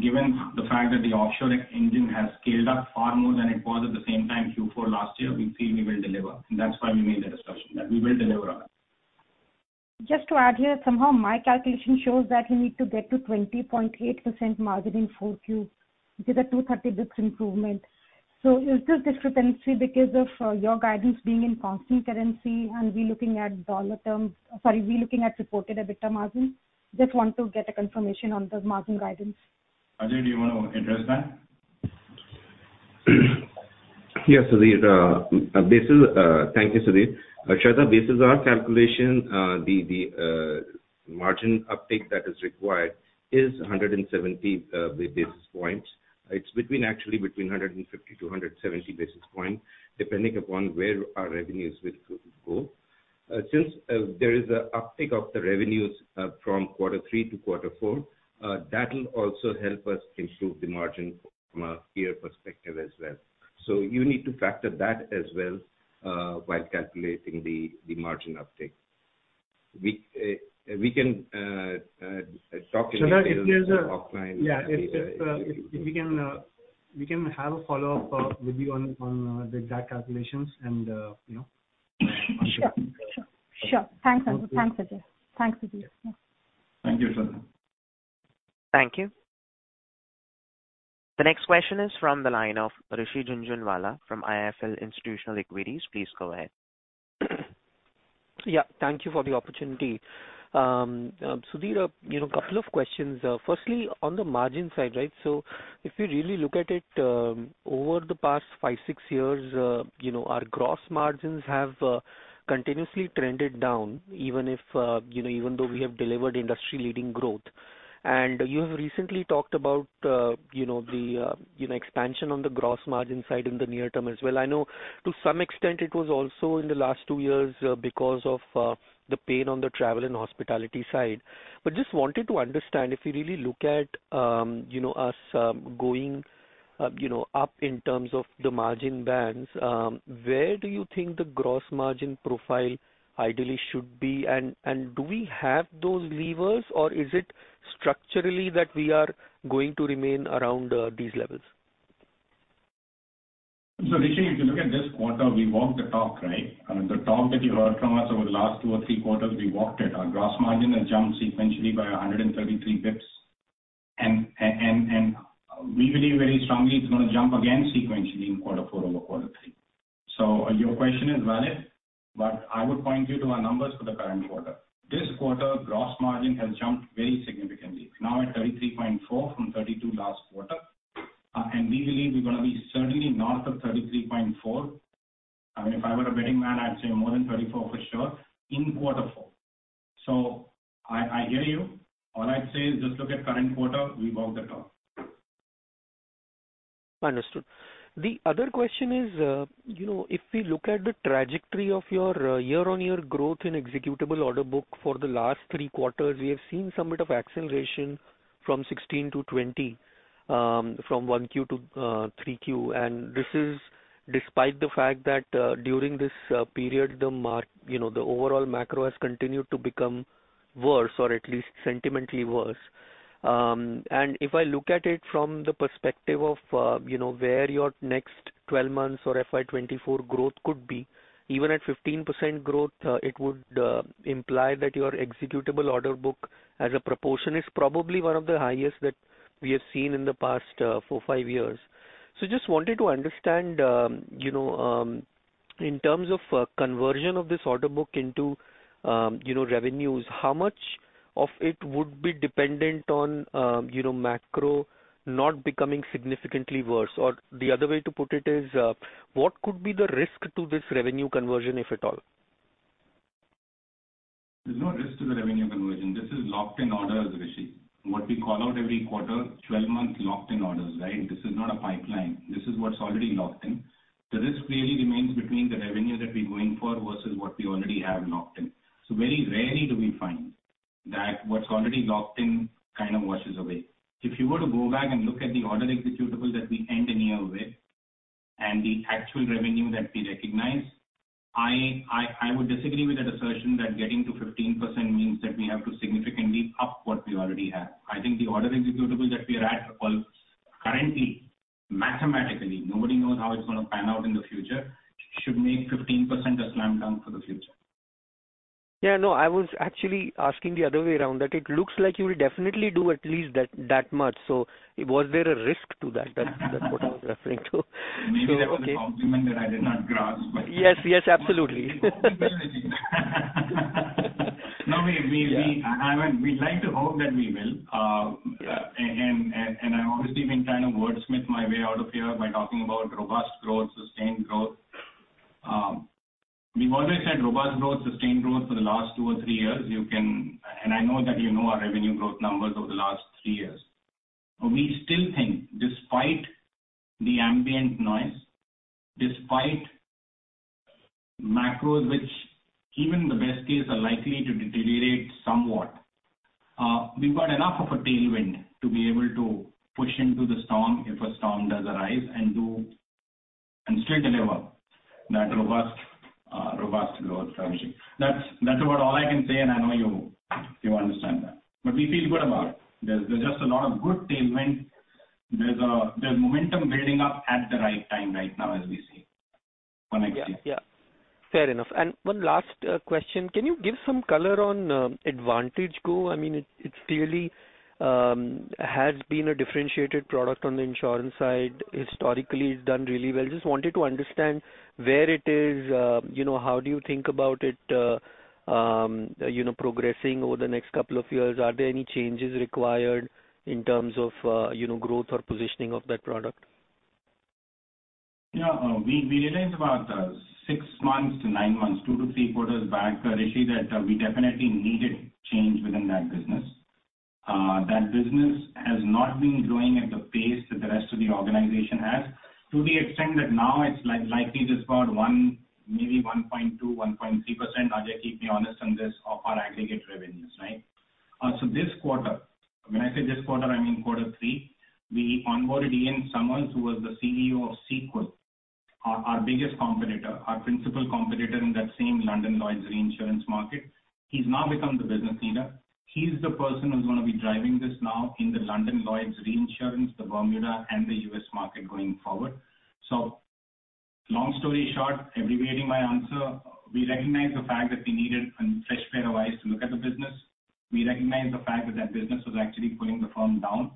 Given the fact that the offshoring engine has scaled up far more than it was at the same time, Q4 last year, we feel we will deliver. That's why we made the discussion, that we will deliver on it. Just to add here, somehow my calculation shows that you need to get to 20.8% margin in 4Q, which is a 230 basis points improvement. Is this discrepancy because of your guidance being in constant currency and we looking at dollar terms... Sorry, we looking at reported EBITDA margin? Just want to get a confirmation on the margin guidance. Ajay, do you wanna address that? Yes, Sudhir. Thank you, Sudhir. Shradha Agrawal, this is our calculation. The margin uptick that is required is 170 basis points. It's actually between 150-170 basis points, depending upon where our revenues will go. Since there is a uptick of the revenues from Q3 to Q4, that'll also help us improve the margin from a year perspective as well. You need to factor that as well while calculating the margin uptick. We can talk in detail. Shradha, if there's Offline. Yeah. If we can have a follow-up with you on the exact calculations and, you know. Sure. Thanks, Anup. Thanks, Ajay. Thanks, Sudhir. Yeah. Thank you, Shradha. Thank you. The next question is from the line of Rishi Jhunjhunwala from IIFL Institutional Equities. Please go ahead. Yeah, thank you for the opportunity. Sudhir, you know, couple of questions. Firstly, on the margin side, right? If you really look at it, over the past 5, 6 years, you know, our gross margins have continuously trended down, even if, you know, even though we have delivered industry-leading growth. You have recently talked about, you know, the, you know, expansion on the gross margin side in the near term as well. I know to some extent it was also in the last 2 years, because of the pain on the travel and hospitality side. Just wanted to understand if you really look at, you know, us, going, you know, up in terms of the margin bands, where do you think the gross margin profile ideally should be? Do we have those levers or is it structurally that we are going to remain around, these levels? Rishi, if you look at this quarter, we walked the talk, right? I mean, the talk that you heard from us over the last two or three quarters, we walked it. Our gross margin has jumped sequentially by 133 basis points. We believe very strongly it's gonna jump again sequentially in quarter 4 over quarter 3. Your question is valid, but I would point you to our numbers for the current quarter. This quarter, gross margin has jumped very significantly. It's now at 33.4 from 32 last quarter. We believe we're gonna be certainly north of 33.4. I mean, if I were a betting man, I'd say more than 34 for sure in quarter 4. I hear you. All I'd say is just look at current quarter, we walked the talk. Understood. The other question is, you know, if we look at the trajectory of your year-on-year growth in executable order book for the last three quarters, we have seen somewhat of acceleration from 16%-20%, from 1Q to 3Q. This is despite the fact that, during this period, you know, the overall macro has continued to become worse or at least sentimentally worse. If I look at it from the perspective of, you know, where your next 12 months or FY 2024 growth could be, even at 15% growth, it would imply that your executable order book as a proportion is probably one of the highest that we have seen in the past 4, 5 years. Just wanted to understand, you know, in terms of conversion of this order book into, you know, revenues, how much of it would be dependent on, you know, macro not becoming significantly worse? Or the other way to put it is, what could be the risk to this revenue conversion, if at all? There's no risk to the revenue conversion. This is locked-in orders, Rishi. What we call out every quarter, 12 months locked-in orders, right? This is not a pipeline. This is what's already locked in. The risk really remains between the revenue that we're going for versus what we already have locked in. Very rarely do we find that what's already locked in kind of washes away. If you were to go back and look at the order executable that we end a year with and the actual revenue that we recognize, I would disagree with that assertion that getting to 15% means that we have to significantly up what we already have. I think the order executable that we are at currently, mathematically, nobody knows how it's gonna pan out in the future, should make 15% a slam dunk for the future. Yeah, no, I was actually asking the other way around that it looks like you will definitely do at least that much. Was there a risk to that? That's what I was referring to. Maybe that was an argument that I did not grasp. Yes. Yes, absolutely. No, we I mean, we'd like to hope that we will. I've obviously been trying to wordsmith my way out of here by talking about robust growth, sustained growth. We've always had robust growth, sustained growth for the last two or three years. I know that you know our revenue growth numbers over the last three years. We still think despite the ambient noise, despite macros which even in the best case are likely to deteriorate somewhat, we've got enough of a tailwind to be able to push into the storm if a storm does arise and still deliver that robust growth, Rishi. That's about all I can say, and I know you understand that. We feel good about it. There's just a lot of good tailwind. There's momentum building up at the right time right now as we see. Connecting. Yeah. Yeah. Fair enough. One last question. Can you give some color on AdvantageGo? I mean, it clearly has been a differentiated product on the insurance side. Historically, it's done really well. Just wanted to understand where it is, you know, how do you think about it, you know, progressing over the next couple of years. Are there any changes required in terms of, you know, growth or positioning of that product? Yeah. We realized about 6 months to 9 months, 2 to 3 quarters back, Rishi, that we definitely needed change within that business. That business has not been growing at the pace that the rest of the organization has to the extent that now it's likely just about 1, maybe 1.2, 1.3%, Ajay, keep me honest on this, of our aggregate revenues, right. This quarter, when I say this quarter, I mean quarter three, we onboarded Ian Summers, who was the CEO of Sequel, our biggest competitor, our principal competitor in that same London Lloyd's Reinsurance market. He's now become the business leader. He's the person who's going to be driving this now in the London Lloyd's Reinsurance, the Bermuda and the U.S. market going forward. Long story short, abbreviating my answer, we recognize the fact that we needed a fresh pair of eyes to look at the business. We recognize the fact that that business was actually pulling the firm down,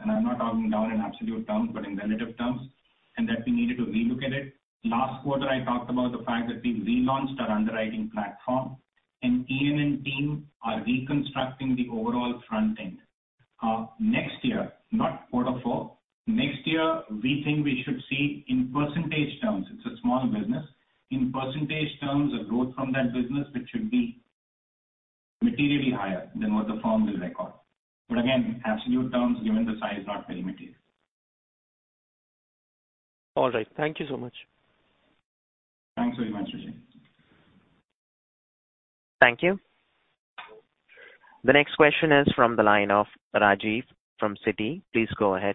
and I'm not talking down in absolute terms, but in relative terms, and that we needed to relook at it. Last quarter, I talked about the fact that we relaunched our underwriting platform and Ian and team are reconstructing the overall front end. Next year, not quarter four. Next year, we think we should see in percentage terms, it's a small business. In percentage terms, the growth from that business, it should be materially higher than what the firm will record. Again, absolute terms, given the size, not very material. All right. Thank you so much. Thanks very much, Rishi. Thank you. The next question is from the line of Rajiv from Citi. Please go ahead.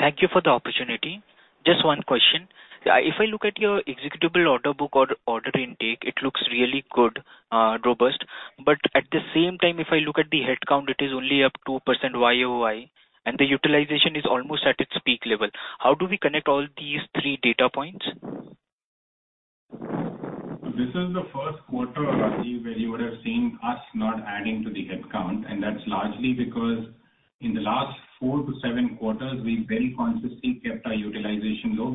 Thank you for the opportunity. Just 1 question. If I look at your executable order book or order intake, it looks really good, robust. At the same time, if I look at the headcount, it is only up 2% Y-o-Y, and the utilization is almost at its peak level. How do we connect all these three data points? This is the first quarter, Rajiv, where you would have seen us not adding to the headcount, and that's largely because in the last 4-7 quarters, we very consistently kept our utilization low.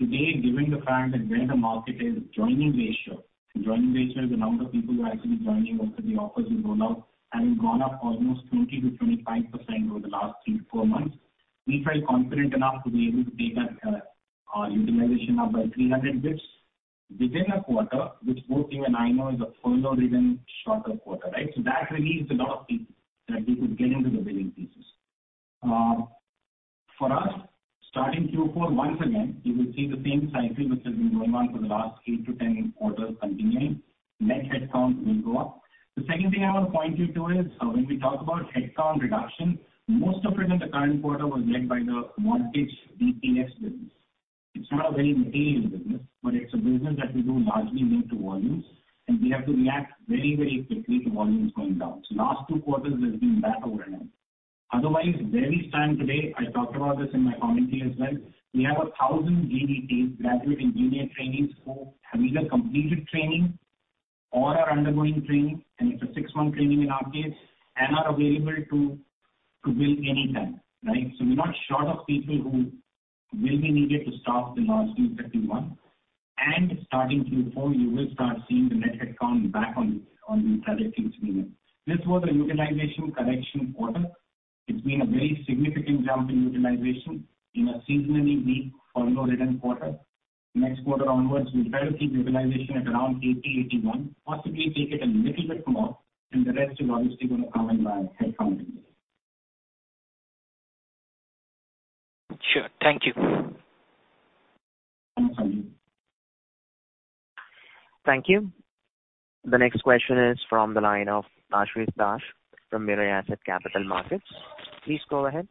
Today, given the fact that where the market is joining ratio. Joining ratio is the number of people who are actually joining after the offers you roll out, having gone up almost 20%-25% over the last 3-4 months. We feel confident enough to be able to take that utilization number 300 bits within a quarter, which both you and I know is a follow-driven shorter quarter, right? That relieves a lot of people that we could get into the billing pieces. For us, starting Q4 once again, you will see the same cycle which has been going on for the last 8-10 quarters continuing. Net headcount will go up. The second thing I want to point you to is when we talk about headcount reduction, most of it in the current quarter was led by the mortgage DPS business. It's not a very material business, but it's a business that we do largely linked to volumes, and we have to react very, very quickly to volumes going down. Last two quarters has been that over and over. Otherwise, where we stand today, I talked about this in my commentary as well. We have 1,000 GETs, Graduate Engineer Trainees, who have either completed training or are undergoing training, and it's a six-month training in our case, and are available to build anytime, right? We're not short of people who will be needed to staff the large deals that we won. Starting Q4, you will start seeing the net headcount back on the trajectory it's been in. This was a utilization correction quarter. It's been a very significant jump in utilization in a seasonally weak follow-driven quarter. Next quarter onwards, we'll try to keep utilization at around 80, 81, possibly take it a little bit more, and the rest is obviously going to come in by headcount. Sure. Thank you. Thanks, Rajiv. Thank you. The next question is from the line of Ashish Dave from Mirae Asset Capital Markets. Please go ahead.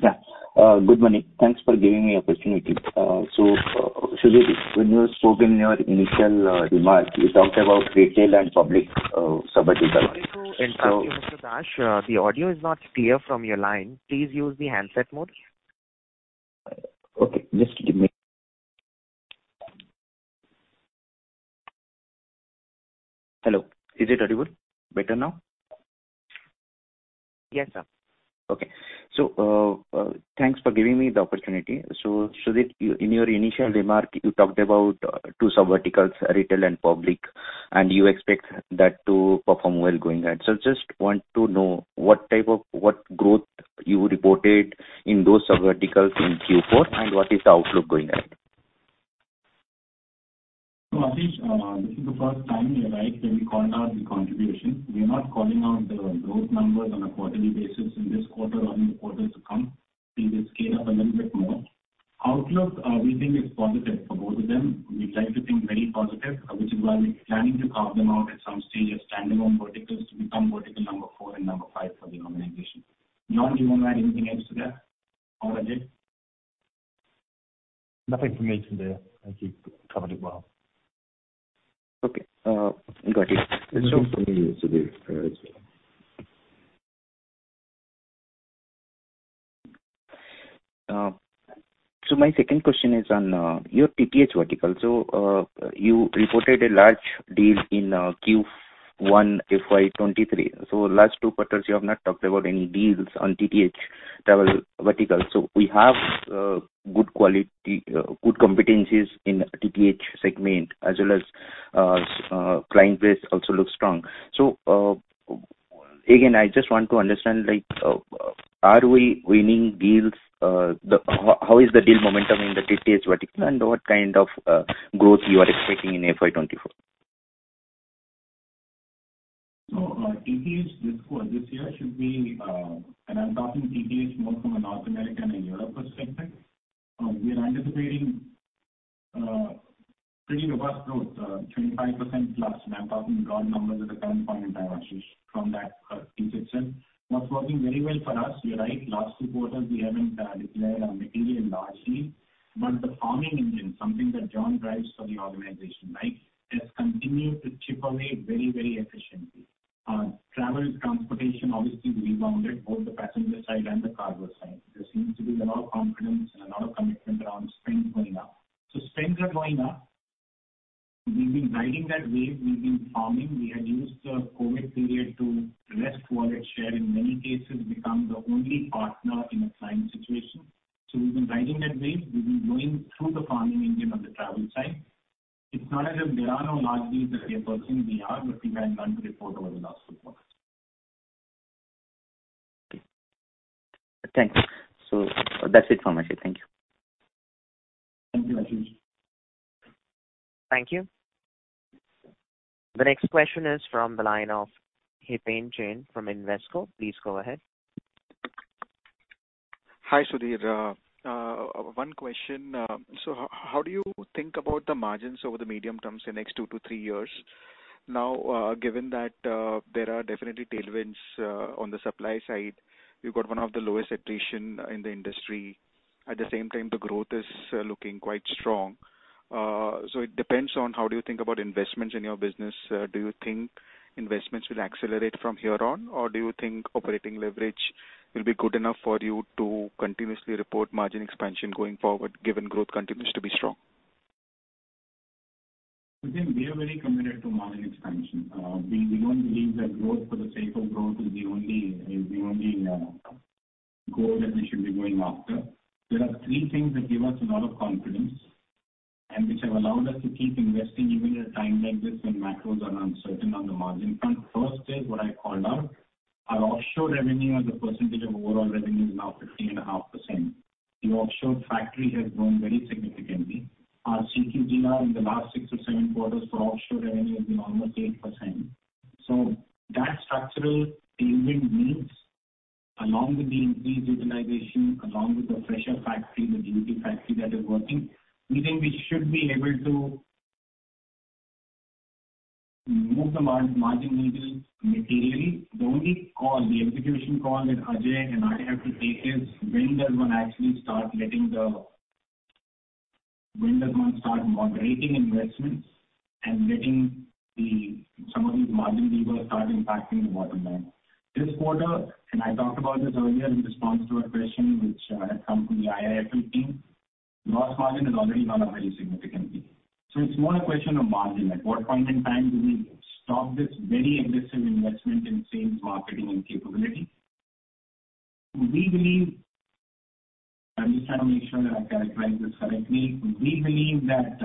Good morning. Thanks for giving me opportunity. Sudhir, when you spoke in your initial remarks, you talked about retail and public subvertical. Sorry to interrupt you, Mr. Dave. The audio is not clear from your line. Please use the handset mode. Hello. Is it audible better now? Yes, sir. Thanks for giving me the opportunity. Sudhir, in your initial remark, you talked about two subverticals, retail and public, and you expect that to perform well going ahead. Just want to know what growth you reported in those subverticals in Q4, and what is the outlook going ahead? Ashish, this is the first time, you're right, that we called out the contribution. We are not calling out the growth numbers on a quarterly basis in this quarter or in the quarters to come. We will scale up a little bit more. Outlook, we think is positive for both of them. We'd like to think very positive, which is why we're planning to carve them out at some stage as standalone verticals to become vertical number four and number five for the organization. John, do you wanna add anything else to that or Ajay? Nothing for me to add. I think you covered it well. Okay. Got it. Nothing for me, Sudhir. My second question is on your TTH vertical. You reported a large deal in Q1 FY 2023. Last 2 quarters you have not talked about any deals on TTH travel vertical. We have good quality, good competencies in TTH segment as well as client base also looks strong. Again, I just want to understand, like, are we winning deals? How, how is the deal momentum in the TTH vertical and what kind of growth you are expecting in FY 2024? TTH this quarter, this year should be, and I'm talking TTH more from a North America and a Europe perspective. We are anticipating pretty robust growth, 25% plus, and I'm talking raw numbers at the current point in time, Ashish, from that piece itself. Not working very well for us. You're right. Last two quarters we haven't declared on material largely. The farming engine, something that John drives for the organization, right, has continued to chip away very, very efficiently. Travel and transportation obviously rebounded both the passenger side and the cargo side. There seems to be a lot of confidence and a lot of commitment around springs going up. Springs are going up. We've been riding that wave. We've been farming. We have used the COVID period to rest wallet share, in many cases become the only partner in a client situation. We've been riding that wave. We've been going through the farming engine on the travel side. It's not as if there are no large deals that we are pursuing. We are, but we have none to report over the last few quarters. Thanks. That's it from my side. Thank you. Thank you, Ashish. Thank you. The next question is from the line of Hiten Jain from Invesco. Please go ahead. Hi, Sudhir. One question. How do you think about the margins over the medium term, say next two to three years? Given that there are definitely tailwinds on the supply side, you've got one of the lowest attrition in the industry. At the same time, the growth is looking quite strong. It depends on how do you think about investments in your business. Do you think investments will accelerate from here on or do you think operating leverage will be good enough for you to continuously report margin expansion going forward given growth continues to be strong? I think we are very committed to margin expansion. We don't believe that growth for the sake of growth is the only goal that we should be going after. There are three things that give us a lot of confidence and which have allowed us to keep investing even at a time like this when macros are uncertain on the margin front. First is what I called out. Our offshore revenue as a percentage of overall revenue is now 15.5%. The offshore factory has grown very significantly. Our CTG now in the last 6 or 7 quarters for offshore revenue has been almost 8%. That structural tailwind means along with the increased utilization, along with the fresher factory, the beauty factory that is working, we think we should be able to move the margin needle materially. The only call, the execution call that Ajay and I have to take is when does one actually start letting when does one start moderating investments and letting some of these margin levers start impacting the bottom line. This quarter, and I talked about this earlier in response to a question which had come from the IIFL team, gross margin has already gone up very significantly. It's more a question of margin. At what point in time do we stop this very aggressive investment in sales, marketing and capability? I'm just trying to make sure that I characterize this correctly. We believe that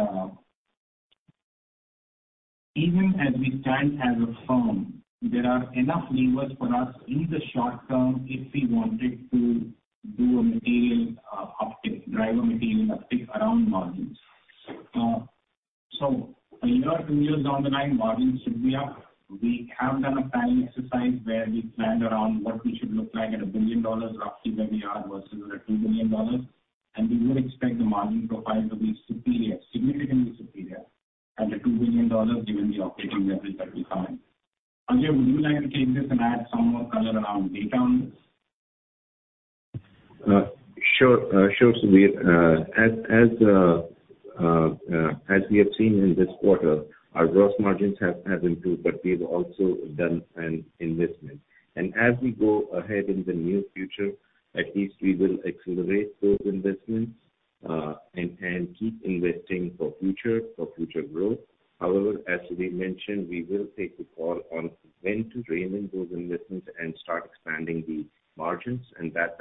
even as we stand as a firm, there are enough levers for us in the short term if we wanted to do a material uptick, drive a material uptick around margins. A year or 2 years down the line, margins should be up. We have done a planning exercise where we planned around what we should look like at $1 billion roughly where we are versus at $2 billion. We would expect the margin profile to be superior, significantly superior at the $2 billion given the operating leverage that we find. Ajay, would you like to take this and add some more color around data on this? Sure. Sure, Sudhir. As we have seen in this quarter, our gross margins have improved, but we've also done an investment. As we go ahead in the near future, at least we will accelerate those investments, and keep investing for future growth. However, as we mentioned, we will take a call on when to rein in those investments and start expanding the margins, and that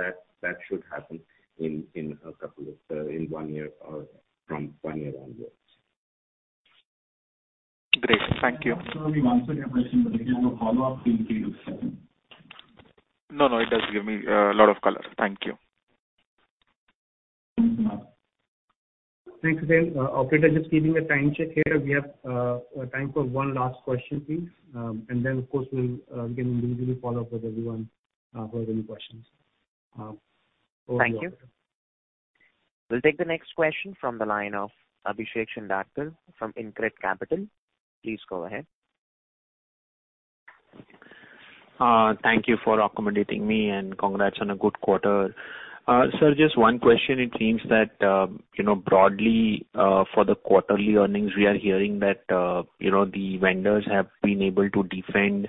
should happen in a couple of, in 1 year or from 1 year onwards. Great. Thank you. I'm sorry we've answered your question, but did you have a follow-up in case it was relevant? No, no. It does give me a lot of color. Thank you. Thanks a lot. Thanks again. operator, just keeping a time check here. We have time for one last question, please. Then of course, we'll we can individually follow up with everyone who have any questions. Over to you, operator. Thank you. We'll take the next question from the line of Abhishek Chandra from Incred Capital. Please go ahead. Thank you for accommodating me, and congrats on a good quarter. Just one question. It seems that, you know, broadly, for the quarterly earnings, we are hearing that, you know, the vendors have been able to defend,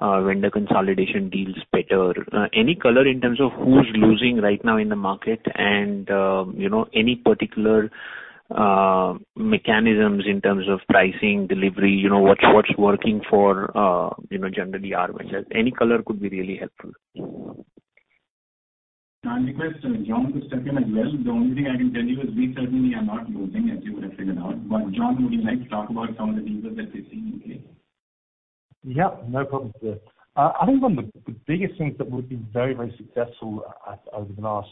vendor consolidation deals better. Any color in terms of who's losing right now in the market and, you know, any particular, mechanisms in terms of pricing, delivery, you know, what's working for, you know, generally our vendors? Any color could be really helpful. I request John to step in as well. The only thing I can tell you is we certainly are not losing, as you would have figured out. John, would you like to talk about some of the levers that we see in play? Yeah, no problem, Sudhir. I think one of the biggest things that we've been very, very successful at over the last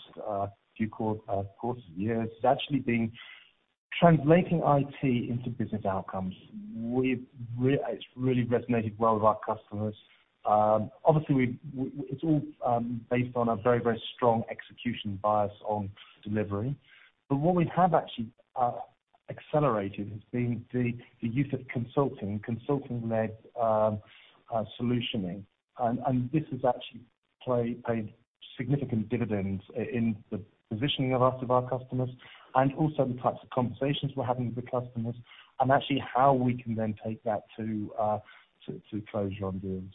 few quarters and years has actually been translating IT into business outcomes. It's really resonated well with our customers. Obviously, it's all based on a very, very strong execution bias on delivery. What we have actually accelerated has been the use of consulting-led solutioning. And this has actually paid significant dividends in the positioning of lots of our customers and also the types of conversations we're having with the customers and actually how we can then take that to close your deals.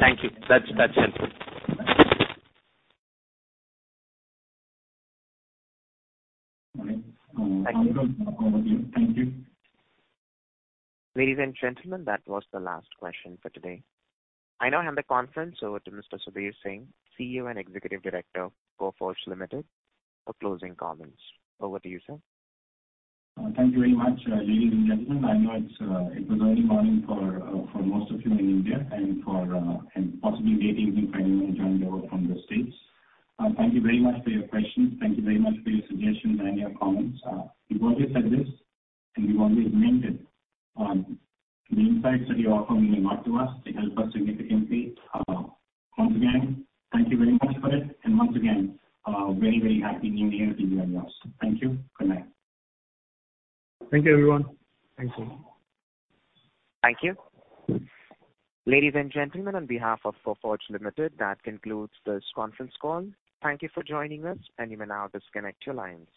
Thank you. That's it. All right. Thank you. Ladies and gentlemen, that was the last question for today. I now hand the conference over to Mr. Sudhir Singh, CEO and Executive Director for Coforge Limited for closing comments. Over to you, sir. Thank you very much, ladies and gentlemen. I know it's, it was early morning for most of you in India and for and possibly late evening for anyone who joined over from the States. Thank you very much for your questions. Thank you very much for your suggestions and your comments. We've always said this, and we've always meant it. The insights that you offer mean a lot to us. They help us significantly. Once again, thank you very much for it. Once again, a very, very happy new year to you and yours. Thank you. Good night. Thank you everyone. Thanks a lot. Thank you. Ladies and gentlemen, on behalf of Coforge Limited, that concludes this conference call. Thank you for joining us. You may now disconnect your lines.